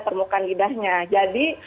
permukaan lidahnya jadi